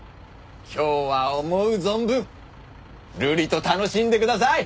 今日は思う存分ルリと楽しんでください！